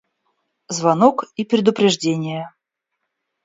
Звонок и предупреждения